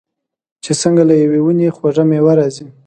چې څنګه له یوې ونې خوږه میوه راځي.